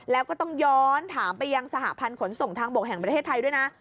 แล้วก็ต้องย้อนถามไปยังสหพันธ์ขนส่งทางบกแห่งประเทศไทยด้วยนะ